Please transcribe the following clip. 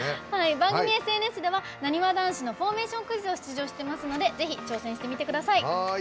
番組ＳＮＳではなにわ男子のフォーメーションクイズを出題していますのでぜひ挑戦してみてください。